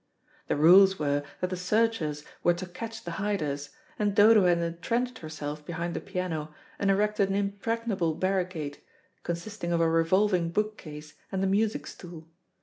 The rules were that the searchers were to catch the hiders, and Dodo had entrenched herself behind the piano, and erected an impregnable barricade, consisting of a revolving bookcase and the music stool.